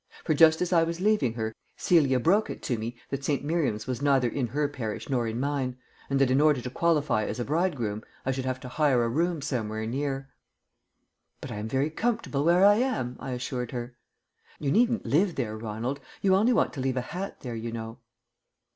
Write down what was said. For, just as I was leaving her, Celia broke it to me that St. Miriam's was neither in her parish nor in mine, and that, in order to qualify as a bridegroom, I should have to hire a room somewhere near. "But I am very comfortable where I am," I assured her. "You needn't live there, Ronald. You only want to leave a hat there, you know."